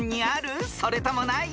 ［それともない？